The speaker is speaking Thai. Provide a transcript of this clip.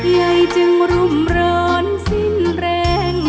ใยจึงรุมเรินสิ้นแรง